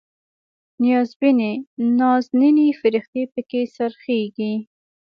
نیازبینې نازنینې فرښتې پکې خرڅیږي